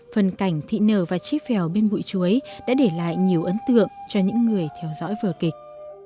phần cảnh thị nở và trí pheo bên bụi chuối đã để lại nhiều ấn tượng cho những người theo dõi vừa kịch